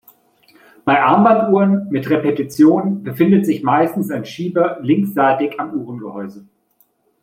Bei Armbanduhren mit Repetition befindet sich meistens ein Schieber linksseitig am Uhrengehäuse.